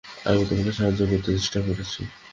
আমি তোমাকে সাহায্য করতে চেষ্টা করছি।